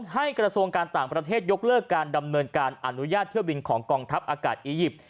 กระทรวงการต่างประเทศยกเลิกการดำเนินการอนุญาตเที่ยวบินของกองทัพอากาศอียิปต์